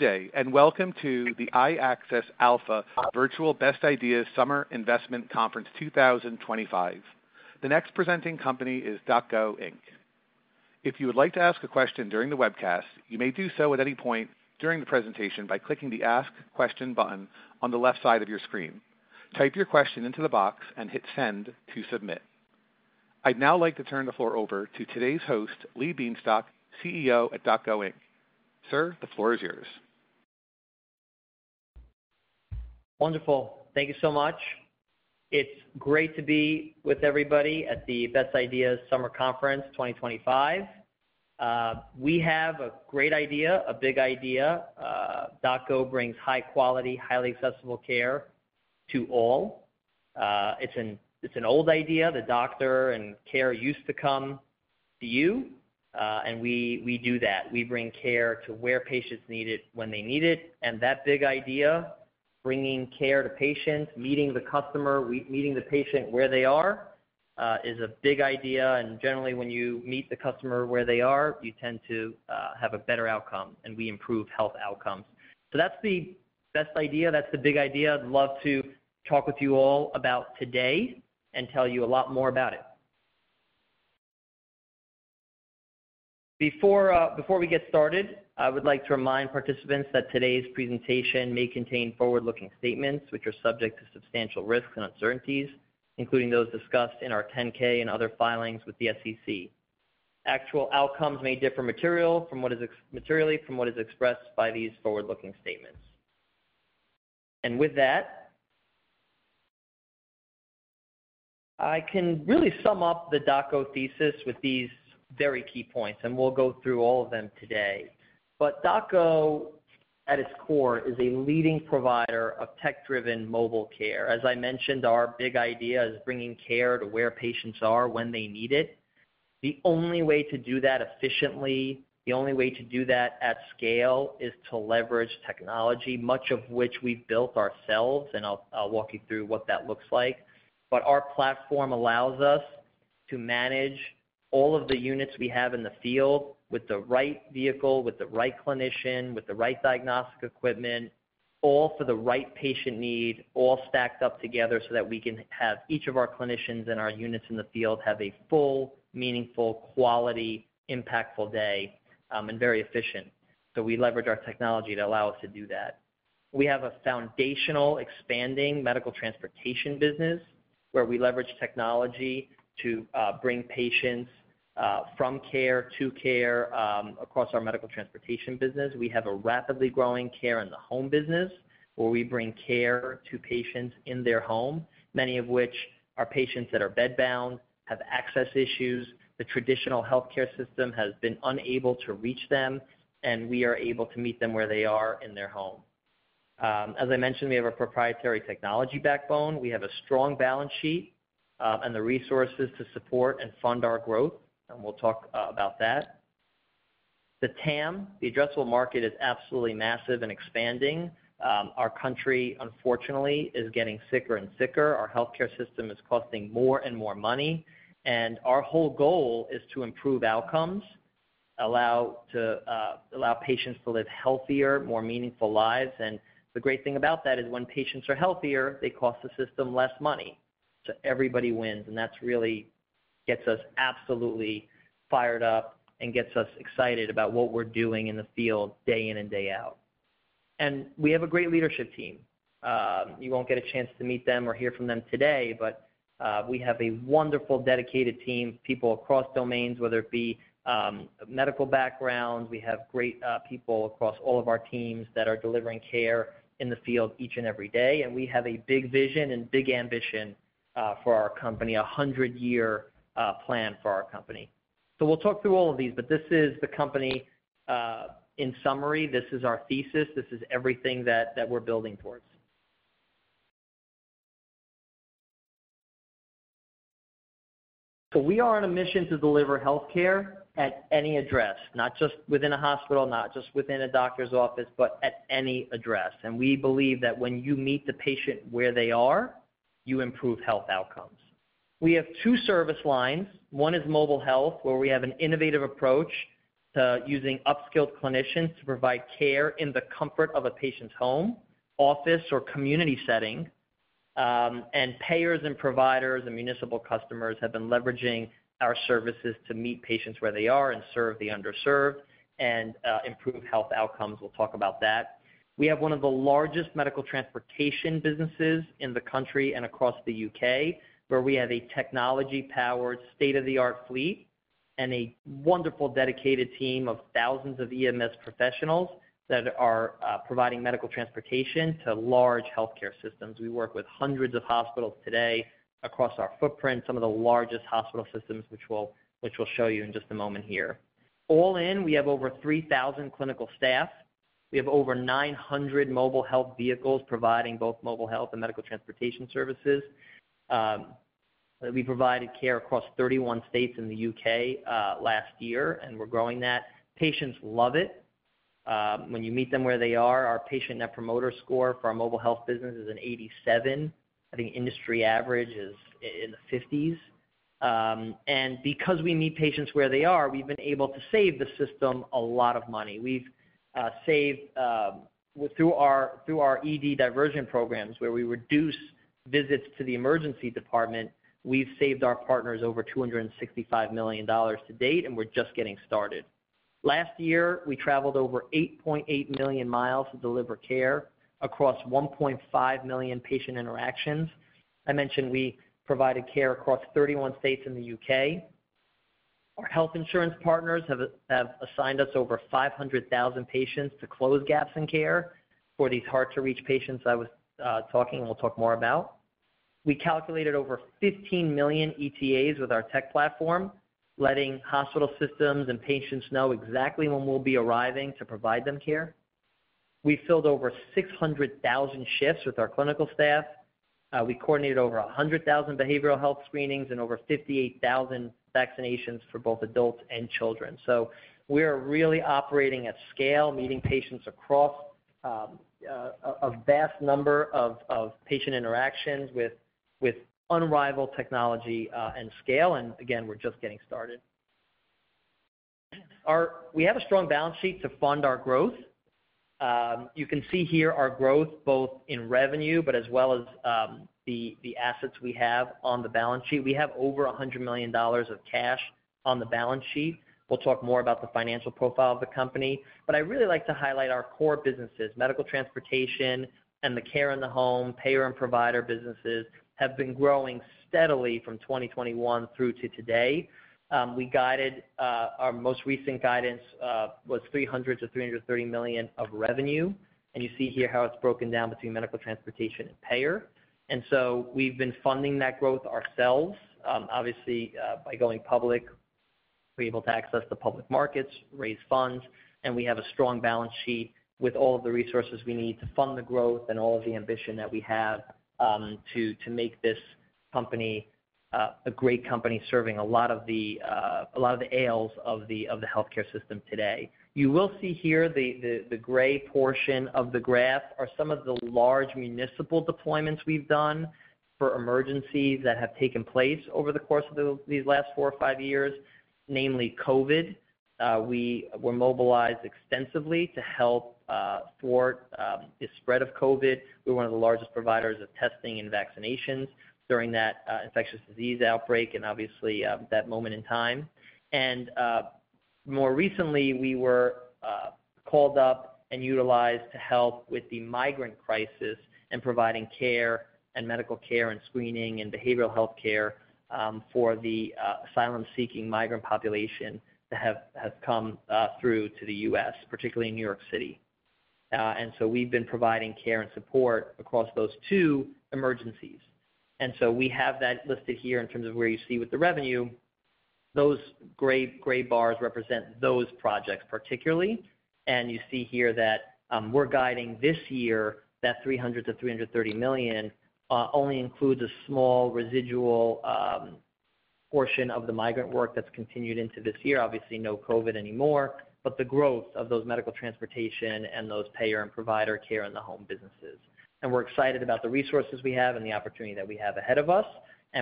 Good day, and welcome to the iAccess Alpha Virtual Best Ideas Summer Investment Conference 2025. The next presenting company is DocGo. If you would like to ask a question during the webcast, you may do so at any point during the presentation by clicking the Ask Question button on the left side of your screen. Type your question into the box and hit Send to submit. I'd now like to turn the floor over to today's host, Lee Bienstock, CEO at DocGo. Sir, the floor is yours. Wonderful. Thank you so much. It's great to be with everybody at the Best Ideas Summer Conference 2025. We have a great idea, a big idea. DocGo brings high-quality, highly accessible care to all. It's an old idea. The doctor and care used to come to you, and we do that. We bring care to where patients need it when they need it. That big idea, bringing care to patients, meeting the customer, meeting the patient where they are, is a big idea. Generally, when you meet the customer where they are, you tend to have a better outcome, and we improve health outcomes. That's the best idea. That's the big idea. I'd love to talk with you all about today and tell you a lot more about it. Before we get started, I would like to remind participants that today's presentation may contain forward-looking statements which are subject to substantial risks and uncertainties, including those discussed in our 10-K and other filings with the SEC. Actual outcomes may differ materially from what is expressed by these forward-looking statements. With that, I can really sum up the DocGo thesis with these very key points, and we'll go through all of them today. DocGo, at its core, is a leading provider of tech-driven mobile care. As I mentioned, our big idea is bringing care to where patients are when they need it. The only way to do that efficiently, the only way to do that at scale, is to leverage technology, much of which we've built ourselves, and I'll walk you through what that looks like. Our platform allows us to manage all of the units we have in the field with the right vehicle, with the right clinician, with the right diagnostic equipment, all for the right patient need, all stacked up together so that we can have each of our clinicians and our units in the field have a full, meaningful, quality, impactful day, and very efficient. We leverage our technology to allow us to do that. We have a foundational expanding medical transportation business where we leverage technology to bring patients from care to care across our medical transportation business. We have a rapidly growing care-in-the-home business where we bring care to patients in their home, many of which are patients that are bedbound, have access issues. The traditional healthcare system has been unable to reach them, and we are able to meet them where they are in their home. As I mentioned, we have a proprietary technology backbone. We have a strong balance sheet, and the resources to support and fund our growth, and we'll talk about that. The TAM, the addressable market, is absolutely massive and expanding. Our country, unfortunately, is getting sicker and sicker. Our healthcare system is costing more and more money, and our whole goal is to improve outcomes, allow patients to live healthier, more meaningful lives. The great thing about that is when patients are healthier, they cost the system less money. Everybody wins, and that really gets us absolutely fired up and gets us excited about what we're doing in the field day in and day out. We have a great leadership team. You won't get a chance to meet them or hear from them today, but we have a wonderful, dedicated team, people across domains, whether it be medical backgrounds. We have great people across all of our teams that are delivering care in the field each and every day. We have a big vision and big ambition for our company, a 100-year plan for our company. We will talk through all of these, but this is the company, in summary. This is our thesis. This is everything that we're building towards. We are on a mission to deliver healthcare at any address, not just within a hospital, not just within a doctor's office, but at any address. We believe that when you meet the patient where they are, you improve health outcomes. We have two service lines. One is mobile health, where we have an innovative approach to using upskilled clinicians to provide care in the comfort of a patient's home, office, or community setting. Payers and providers and municipal customers have been leveraging our services to meet patients where they are and serve the underserved and improve health outcomes. We'll talk about that. We have one of the largest medical transportation businesses in the country and across the U.K., where we have a technology-powered, state-of-the-art fleet and a wonderful dedicated team of thousands of EMS professionals that are providing medical transportation to large healthcare systems. We work with hundreds of hospitals today across our footprint, some of the largest hospital systems, which we'll show you in just a moment here. All in, we have over 3,000 clinical staff. We have over 900 mobile health vehicles providing both mobile health and medical transportation services. We provided care across 31 states and the U.K. last year, and we're growing that. Patients love it. When you meet them where they are, our patient Net Promoter Score for our mobile health business is an 87. I think industry average is in the 50s. Because we meet patients where they are, we've been able to save the system a lot of money. We've saved, through our ED diversion programs, where we reduce visits to the emergency department, we've saved our partners over $265 million to date, and we're just getting started. Last year, we traveled over 8.8 million mi to deliver care across 1.5 million patient interactions. I mentioned we provided care across 31 states and the U.K. Our health insurance partners have assigned us over 500,000 patients to close gaps in care for these hard-to-reach patients I was talking and we will talk more about. We calculated over 15 million ETAs with our tech platform, letting hospital systems and patients know exactly when we will be arriving to provide them care. We filled over 600,000 shifts with our clinical staff. We coordinated over 100,000 behavioral health screenings and over 58,000 vaccinations for both adults and children. We are really operating at scale, meeting patients across a vast number of patient interactions with unrivaled technology and scale. Again, we are just getting started. We have a strong balance sheet to fund our growth. You can see here our growth both in revenue, but as well as the assets we have on the balance sheet. We have over $100 million of cash on the balance sheet. We'll talk more about the financial profile of the company. I really like to highlight our core businesses. Medical transportation and the care-in-the-home, payer-in-provider businesses have been growing steadily from 2021 through to today. We guided, our most recent guidance, was $300 million-$330 million of revenue. You see here how it's broken down between medical transportation and payer. We've been funding that growth ourselves, obviously, by going public. We're able to access the public markets, raise funds, and we have a strong balance sheet with all of the resources we need to fund the growth and all of the ambition that we have to make this company a great company serving a lot of the ails of the healthcare system today. You will see here the gray portion of the graph are some of the large municipal deployments we have done for emergencies that have taken place over the course of these last four or five years, namely COVID. We were mobilized extensively to help thwart the spread of COVID. We are one of the largest providers of testing and vaccinations during that infectious disease outbreak and obviously, that moment in time. More recently, we were called up and utilized to help with the migrant crisis and providing care and medical care and screening and behavioral healthcare for the asylum-seeking migrant population that have come through to the U.S., particularly in New York City. We have been providing care and support across those two emergencies. We have that listed here in terms of where you see with the revenue. Those gray, gray bars represent those projects particularly. You see here that we are guiding this year that $300 million-$330 million only includes a small residual portion of the migrant work that has continued into this year. Obviously, no COVID anymore, but the growth of those medical transportation and those payer-in-provider care-in-the-home businesses. We are excited about the resources we have and the opportunity that we have ahead of us.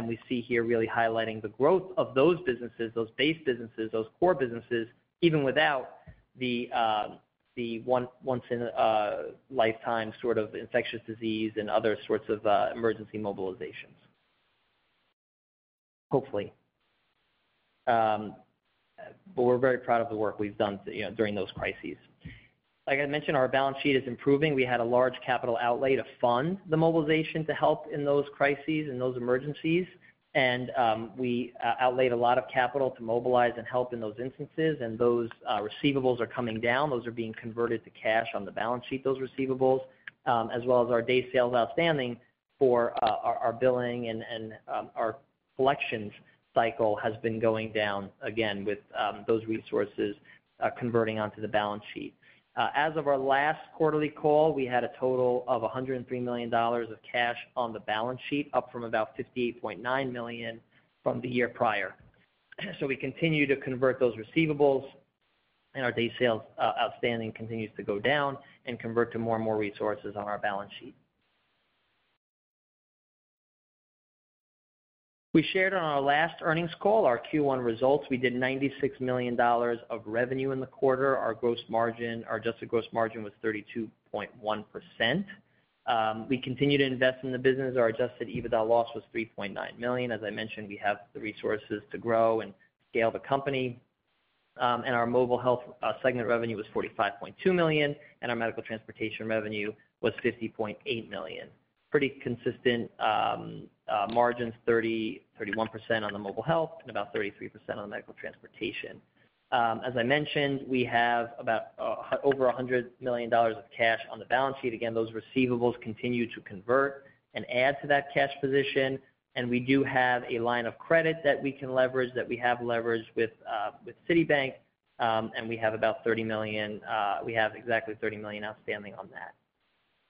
We see here really highlighting the growth of those businesses, those base businesses, those core businesses, even without the, the once in a lifetime sort of infectious disease and other sorts of emergency mobilizations, hopefully. We are very proud of the work we have done to, you know, during those crises. Like I mentioned, our balance sheet is improving. We had a large capital outlay to fund the mobilization to help in those crises and those emergencies. We outlayed a lot of capital to mobilize and help in those instances. Those receivables are coming down. Those are being converted to cash on the balance sheet, those receivables, as well as our day sales outstanding for our billing and our collections cycle has been going down again with those resources converting onto the balance sheet. As of our last quarterly call, we had a total of $103 million of cash on the balance sheet, up from about $58.9 million from the year prior. We continue to convert those receivables, and our day sales outstanding continues to go down and convert to more and more resources on our balance sheet. We shared on our last earnings call our Q1 results. We did $96 million of revenue in the quarter. Our gross margin, our adjusted gross margin was 32.1%. We continue to invest in the business. Our adjusted EBITDA loss was $3.9 million. As I mentioned, we have the resources to grow and scale the company. Our mobile health segment revenue was $45.2 million, and our medical transportation revenue was $50.8 million. Pretty consistent margins, 30%-31% on the mobile health and about 33% on the medical transportation. As I mentioned, we have over $100 million of cash on the balance sheet. Those receivables continue to convert and add to that cash position. We do have a line of credit that we have leveraged with Citibank, and we have exactly $30 million outstanding on that.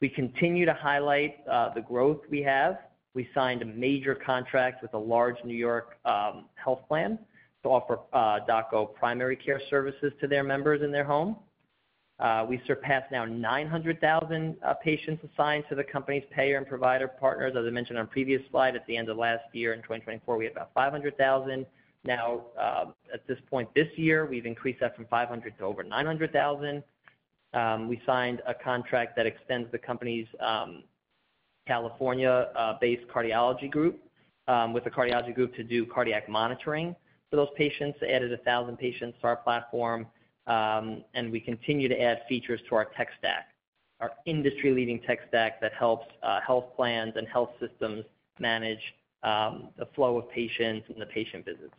We continue to highlight the growth we have. We signed a major contract with a large New York health plan to offer DocGo primary care services to their members in their home. We surpassed now 900,000 patients assigned to the company's payer-in-provider partners. As I mentioned on previous slide, at the end of last year in 2024, we had about 500,000. Now, at this point this year, we've increased that from 500,000 to over 900,000. We signed a contract that extends the company's California-based cardiology group, with a cardiology group to do cardiac monitoring for those patients. Added 1,000 patients to our platform, and we continue to add features to our tech stack, our industry-leading tech stack that helps health plans and health systems manage the flow of patients and the patient visits.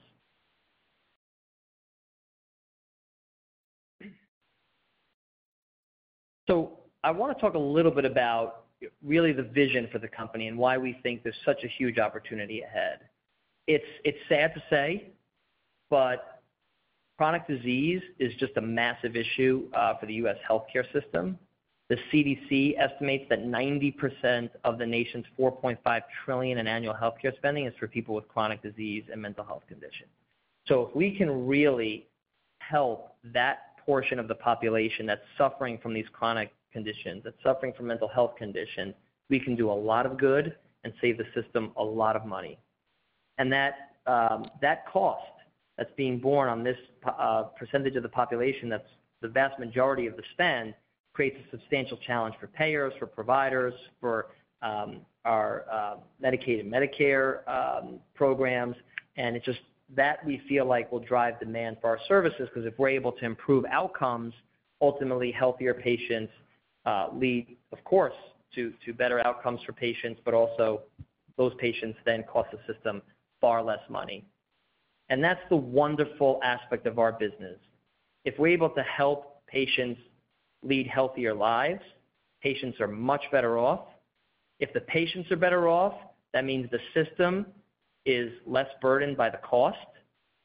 I want to talk a little bit about really the vision for the company and why we think there's such a huge opportunity ahead. It's sad to say, but chronic disease is just a massive issue for the U.S. healthcare system. The CDC estimates that 90% of the nation's $4.5 trillion in annual healthcare spending is for people with chronic disease and mental health conditions. If we can really help that portion of the population that's suffering from these chronic conditions, that's suffering from mental health conditions, we can do a lot of good and save the system a lot of money. That cost that's being borne on this percentage of the population, that's the vast majority of the spend, creates a substantial challenge for payers, for providers, for our Medicaid and Medicare programs. It is just that we feel like will drive demand for our services because if we're able to improve outcomes, ultimately healthier patients lead, of course, to better outcomes for patients, but also those patients then cost the system far less money. That is the wonderful aspect of our business. If we're able to help patients lead healthier lives, patients are much better off. If the patients are better off, that means the system is less burdened by the cost.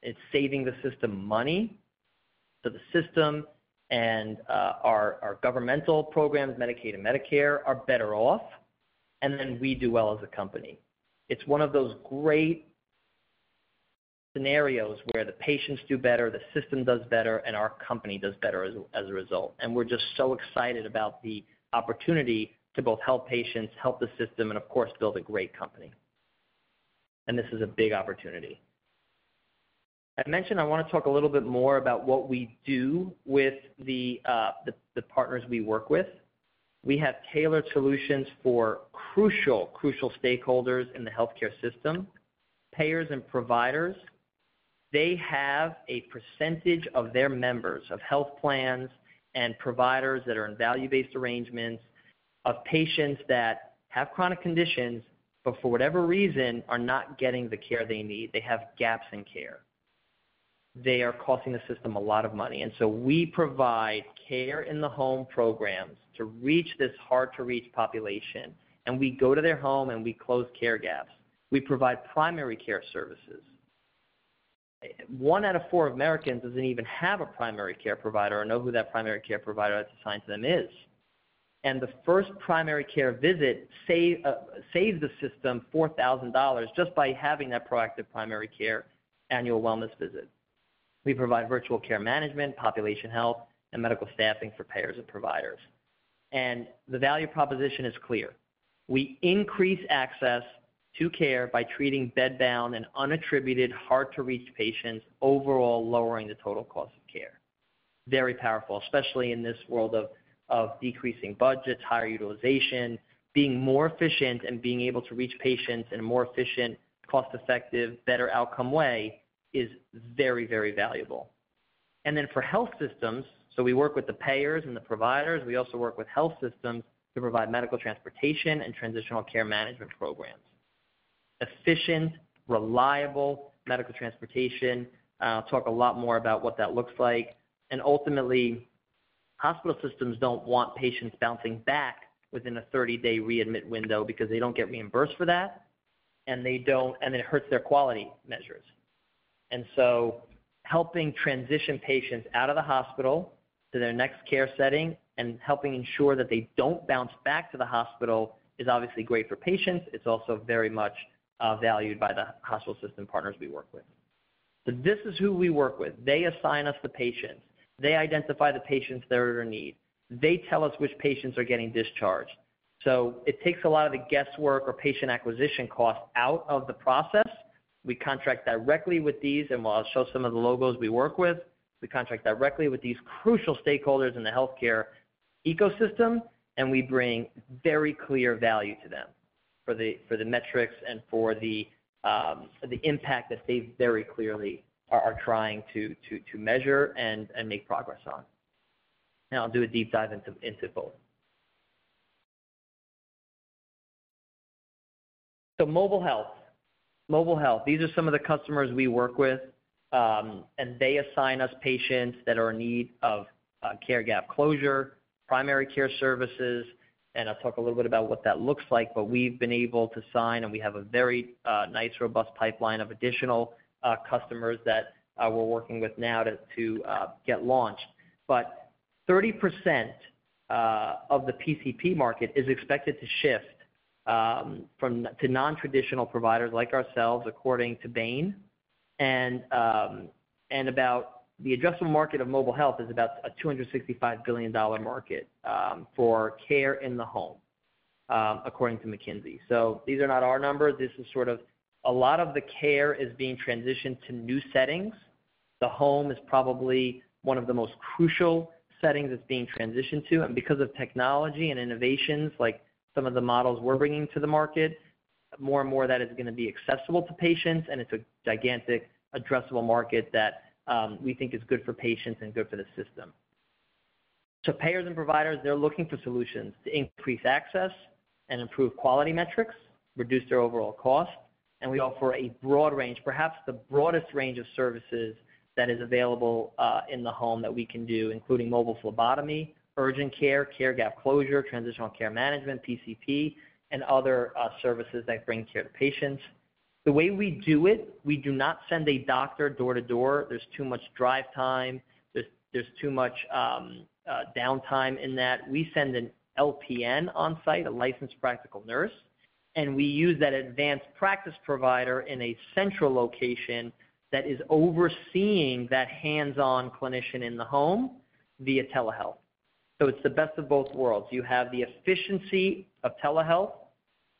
It is saving the system money. The system and our governmental programs, Medicaid and Medicare, are better off. We do well as a company. It is one of those great scenarios where the patients do better, the system does better, and our company does better as a result. We're just so excited about the opportunity to both help patients, help the system, and of course, build a great company. This is a big opportunity. I mentioned I want to talk a little bit more about what we do with the partners we work with. We have tailored solutions for crucial stakeholders in the healthcare system, payers and providers. They have a percentage of their members of health plans and providers that are in value-based arrangements of patients that have chronic conditions but for whatever reason are not getting the care they need. They have gaps in care. They are costing the system a lot of money. We provide care-in-the-home programs to reach this hard-to-reach population. We go to their home and we close care gaps. We provide primary care services. One out of four Americans doesn't even have a primary care provider or know who that primary care provider that's assigned to them is. The first primary care visit saves, saves the system $4,000 just by having that proactive primary care annual wellness visit. We provide virtual care management, population health, and medical staffing for payers and providers. The value proposition is clear. We increase access to care by treating bedbound and unattributed hard-to-reach patients, overall lowering the total cost of care. Very powerful, especially in this world of decreasing budgets, higher utilization, being more efficient and being able to reach patients in a more efficient, cost-effective, better outcome way is very, very valuable. For health systems, we work with the payers and the providers. We also work with health systems to provide medical transportation and transitional care management programs. Efficient, reliable medical transportation. I'll talk a lot more about what that looks like. Ultimately, hospital systems don't want patients bouncing back within a 30-day readmit window because they don't get reimbursed for that. They don't, and it hurts their quality measures. Helping transition patients out of the hospital to their next care setting and helping ensure that they don't bounce back to the hospital is obviously great for patients. It's also very much valued by the hospital system partners we work with. This is who we work with. They assign us the patients. They identify the patients that are in need. They tell us which patients are getting discharged. It takes a lot of the guesswork or patient acquisition cost out of the process. We contract directly with these, and I'll show some of the logos we work with. We contract directly with these crucial stakeholders in the healthcare ecosystem, and we bring very clear value to them for the metrics and for the impact that they very clearly are trying to measure and make progress on. I'll do a deep dive into both. Mobile health, mobile health. These are some of the customers we work with, and they assign us patients that are in need of care gap closure, primary care services. I'll talk a little bit about what that looks like, but we've been able to sign, and we have a very nice, robust pipeline of additional customers that we're working with now to get launched. 30% of the PCP market is expected to shift from to non-traditional providers like ourselves, according to Bain. The addressable market of mobile health is about a $265 billion market for care-in-the-home, according to McKinsey. These are not our numbers. A lot of the care is being transitioned to new settings. The home is probably one of the most crucial settings that is being transitioned to. Because of technology and innovations, like some of the models we are bringing to the market, more and more of that is going to be accessible to patients. It is a gigantic addressable market that we think is good for patients and good for the system. Payers and providers are looking for solutions to increase access and improve quality metrics, reduce their overall cost. We offer a broad range, perhaps the broadest range of services that is available, in the home that we can do, including mobile phlebotomy, urgent care, care gap closure, transitional care management, PCP, and other services that bring care to patients. The way we do it, we do not send a doctor door-to-door. There is too much drive time. There is too much downtime in that. We send an LPN on site, a licensed practical nurse, and we use that advanced practice provider in a central location that is overseeing that hands-on clinician in the home via telehealth. It is the best of both worlds. You have the efficiency of telehealth,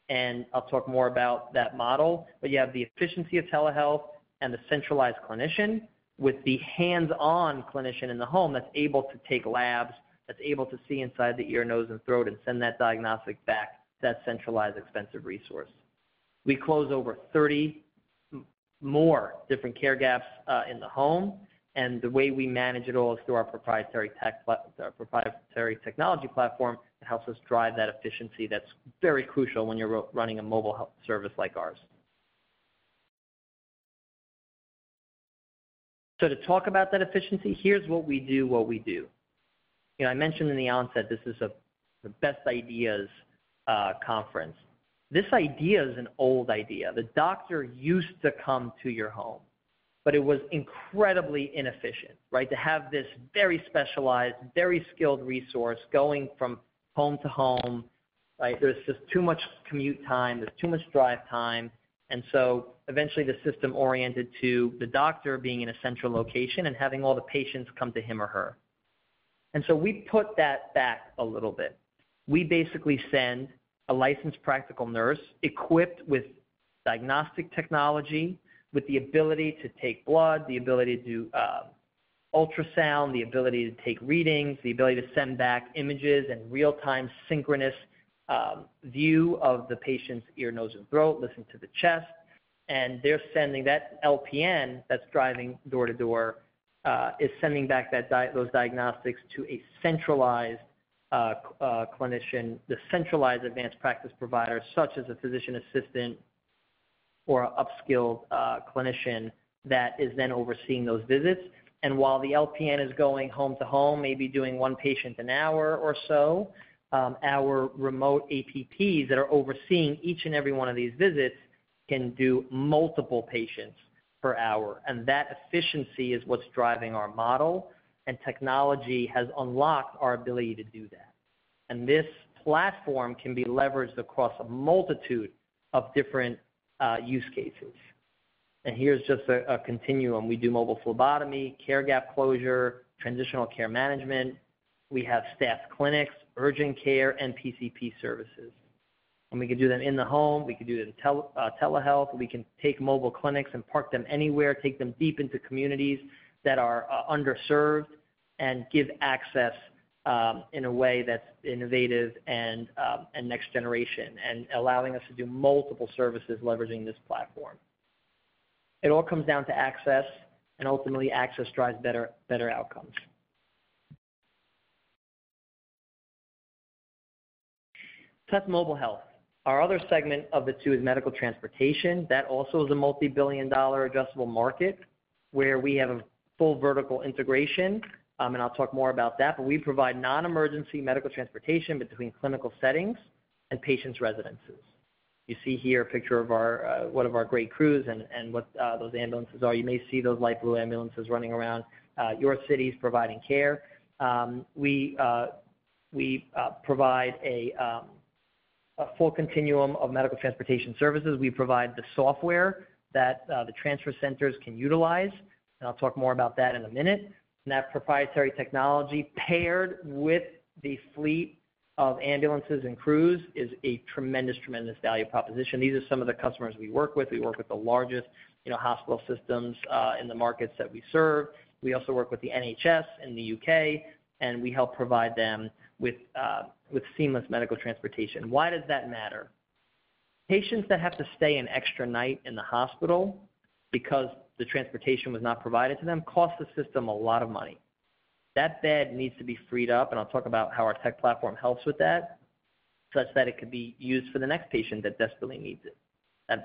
and I'll talk more about that model, but you have the efficiency of telehealth and the centralized clinician with the hands-on clinician in the home that's able to take labs, that's able to see inside the ear, nose, and throat, and send that diagnostic back to that centralized expensive resource. We close over 30 more different care gaps in the home. The way we manage it all is through our proprietary tech platform, our proprietary technology platform that helps us drive that efficiency that's very crucial when you're running a mobile health service like ours. To talk about that efficiency, here's what we do. You know, I mentioned in the onset, this is the best ideas conference. This idea is an old idea. The doctor used to come to your home, but it was incredibly inefficient, right, to have this very specialized, very skilled resource going from home to home, right? There's just too much commute time. There's too much drive time. Eventually the system oriented to the doctor being in a central location and having all the patients come to him or her. We put that back a little bit. We basically send a licensed practical nurse equipped with diagnostic technology, with the ability to take blood, the ability to ultrasound, the ability to take readings, the ability to send back images and real-time synchronous view of the patient's ear, nose, and throat, listen to the chest. They're sending that LPN that's driving door-to-door, is sending back those diagnostics to a centralized clinician, the centralized advanced practice provider, such as a physician assistant or an upskilled clinician that is then overseeing those visits. While the LPN is going home to home, maybe doing one patient an hour or so, our remote APPs that are overseeing each and every one of these visits can do multiple patients per hour. That efficiency is what's driving our model. Technology has unlocked our ability to do that. This platform can be leveraged across a multitude of different use cases. Here's just a continuum. We do mobile phlebotomy, care gap closure, transitional care management. We have staff clinics, urgent care, and PCP services. We can do them in the home. We can do them tele-uh, telehealth. We can take mobile clinics and park them anywhere, take them deep into communities that are underserved, and give access in a way that's innovative and next generation and allowing us to do multiple services leveraging this platform. It all comes down to access, and ultimately access drives better outcomes. That's mobile health. Our other segment of the two is medical transportation. That also is a multi-billion dollar addressable market where we have a full vertical integration. I'll talk more about that, but we provide non-emergency medical transportation between clinical settings and patients' residences. You see here a picture of one of our great crews and what those ambulances are. You may see those light blue ambulances running around your cities providing care. We provide a full continuum of medical transportation services. We provide the software that the transfer centers can utilize. I'll talk more about that in a minute. That proprietary technology paired with the fleet of ambulances and crews is a tremendous, tremendous value proposition. These are some of the customers we work with. We work with the largest, you know, hospital systems in the markets that we serve. We also work with the NHS in the U.K., and we help provide them with seamless medical transportation. Why does that matter? Patients that have to stay an extra night in the hospital because the transportation was not provided to them costs the system a lot of money. That bed needs to be freed up. I'll talk about how our tech platform helps with that such that it could be used for the next patient that desperately needs it.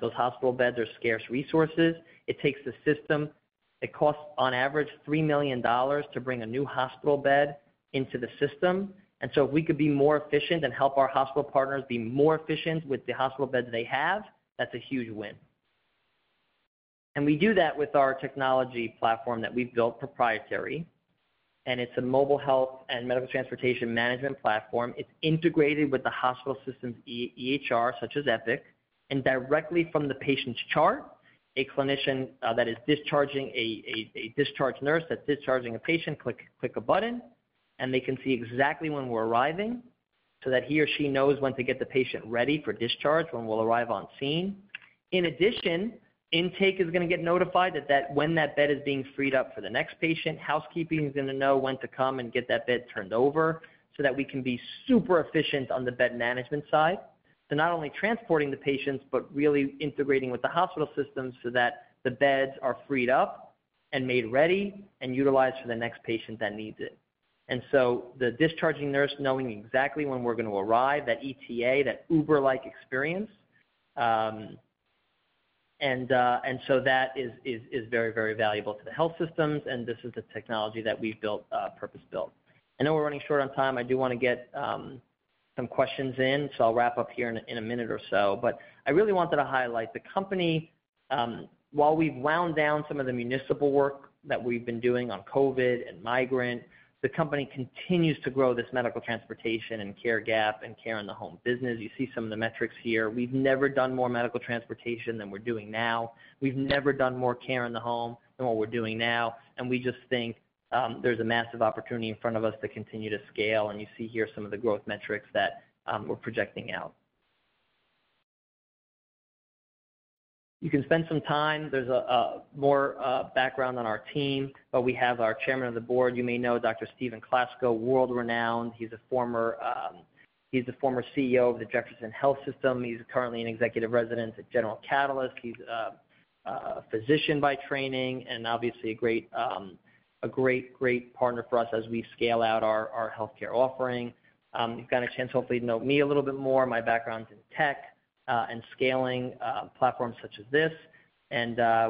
Those hospital beds are scarce resources. It takes the system, it costs on average $3 million to bring a new hospital bed into the system. If we could be more efficient and help our hospital partners be more efficient with the hospital beds they have, that's a huge win. We do that with our technology platform that we've built proprietary. It's a mobile health and medical transportation management platform. It's integrated with the hospital system's EHR, such as Epic, and directly from the patient's chart, a clinician, that is discharging a discharge nurse that's discharging a patient, can click a button, and they can see exactly when we're arriving so that he or she knows when to get the patient ready for discharge when we'll arrive on scene. In addition, intake is going to get notified that when that bed is being freed up for the next patient, housekeeping is going to know when to come and get that bed turned over so that we can be super efficient on the bed management side. Not only transporting the patients, but really integrating with the hospital system so that the beds are freed up and made ready and utilized for the next patient that needs it. The discharging nurse knowing exactly when we're going to arrive, that ETA, that Uber-like experience. That is very, very valuable to the health systems. This is the technology that we've built, purpose-built. I know we're running short on time. I do want to get some questions in, so I'll wrap up here in a minute or so. I really wanted to highlight the company, while we've wound down some of the municipal work that we've been doing on COVID and migrant, the company continues to grow this medical transportation and care gap and care-in-the-home business. You see some of the metrics here. We've never done more medical transportation than we're doing now. We've never done more care-in-the-home than what we're doing now. We just think there's a massive opportunity in front of us to continue to scale. You see here some of the growth metrics that we're projecting out. You can spend some time. There's a more background on our team, but we have our Chairman of the Board. You may know Dr. Steven Klasko, world-renowned. He's a former, he's the former CEO of the Jefferson Health System. He's currently an executive resident at General Catalyst. He's a physician by training and obviously a great, great partner for us as we scale out our healthcare offering. You've got a chance hopefully to know me a little bit more. My background's in tech, and scaling platforms such as this.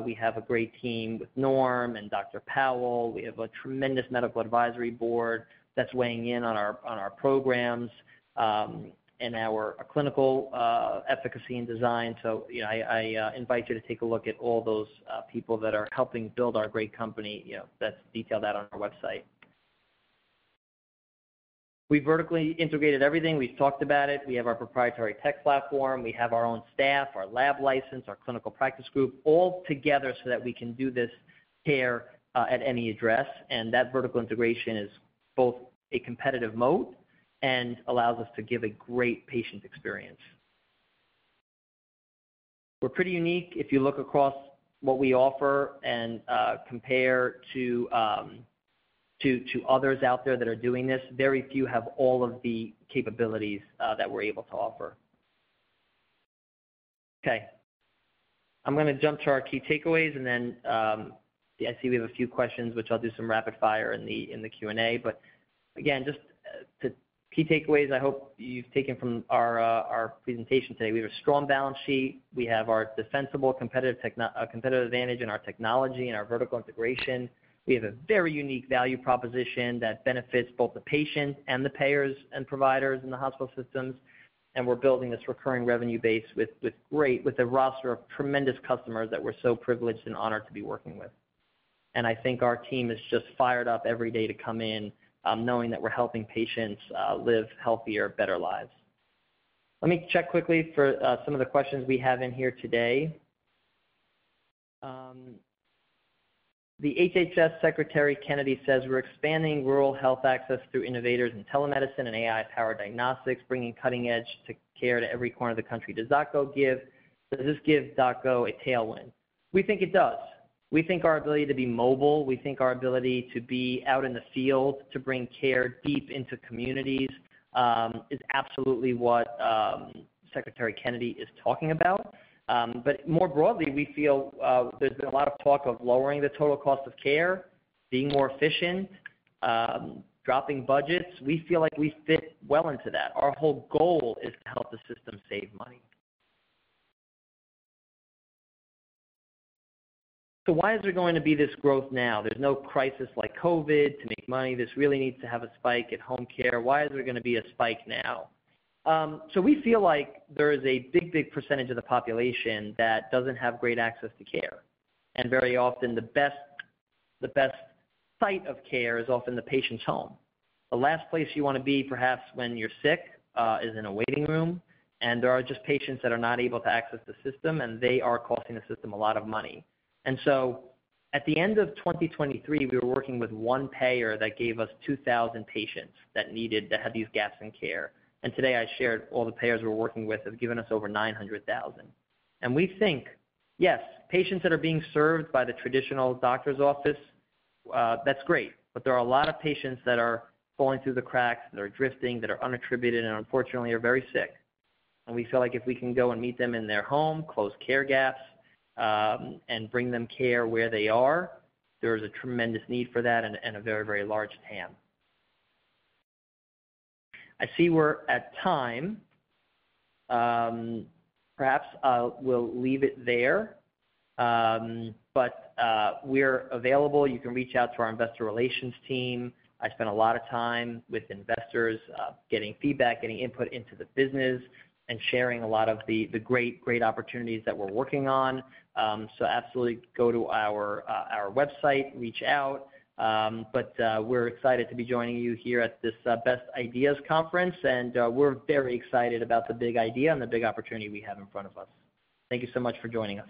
We have a great team with Norm and Dr. Powell. We have a tremendous medical advisory Board that's weighing in on our programs, and our clinical efficacy and design. You know, I invite you to take a look at all those people that are helping build our great company. You know, that's detailed out on our website. We vertically integrated everything. We've talked about it. We have our proprietary tech platform. We have our own staff, our lab license, our clinical practice group all together so that we can do this care at any address. That vertical integration is both a competitive moat and allows us to give a great patient experience. We're pretty unique. If you look across what we offer and compare to others out there that are doing this, very few have all of the capabilities that we're able to offer. Okay. I'm going to jump to our key takeaways, and then I see we have a few questions, which I'll do some rapid fire in the Q&A. Again, just the key takeaways I hope you've taken from our presentation today. We have a strong balance sheet. We have our defensible competitive advantage in our technology and our vertical integration. We have a very unique value proposition that benefits both the patient and the payers and providers in the hospital systems. We're building this recurring revenue base with a roster of tremendous customers that we're so privileged and honored to be working with. I think our team is just fired up every day to come in, knowing that we're helping patients live healthier, better lives. Let me check quickly for some of the questions we have in here today. The HHS Secretary Kennedy says, "We're expanding rural health access through innovators in telemedicine and AI-powered diagnostics, bringing cutting-edge care to every corner of the country. Does this give DocGo a tailwind?" We think it does. We think our ability to be mobile, we think our ability to be out in the field to bring care deep into communities, is absolutely what Secretary Kennedy is talking about. More broadly, we feel there's been a lot of talk of lowering the total cost of care, being more efficient, dropping budgets. We feel like we fit well into that. Our whole goal is to help the system save money. Why is there going to be this growth now? There's no crisis like COVID to make money. This really needs to have a spike in home care. Why is there going to be a spike now? We feel like there is a big, big percentage of the population that doesn't have great access to care. Very often, the best site of care is often the patient's home. The last place you want to be, perhaps when you're sick, is in a waiting room. There are just patients that are not able to access the system, and they are costing the system a lot of money. At the end of 2023, we were working with one payer that gave us 2,000 patients that had these gaps in care. Today, I shared all the payers we are working with have given us over 900,000. We think, yes, patients that are being served by the traditional doctor's office, that's great. There are a lot of patients that are falling through the cracks, that are drifting, that are unattributed, and unfortunately are very sick. We feel like if we can go and meet them in their home, close care gaps, and bring them care where they are, there is a tremendous need for that and a very, very large TAM. I see we are at time. Perhaps, we'll leave it there. However, we're available. You can reach out to our investor relations team. I spend a lot of time with investors, getting feedback, getting input into the business, and sharing a lot of the great, great opportunities that we're working on. Absolutely go to our website, reach out. We're excited to be joining you here at this Best Ideas Conference. We're very excited about the big idea and the big opportunity we have in front of us. Thank you so much for joining us.